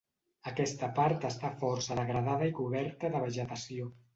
Aquesta part està força degradada i coberta de vegetació.